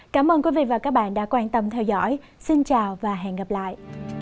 cảm ơn quý vị và các bạn đã quan tâm theo dõi xin chào và hẹn gặp lại